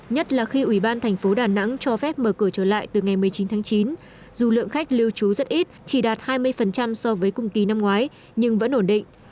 nhất là khi ủy ban thành phố đà nẵng cho phép mở cửa trở lại từ ngày một mươi chín tháng chín dù lượng khách lưu trú rất ít chỉ đạt hai mươi so với cùng kỳ năm ngoái nhưng vẫn ổn định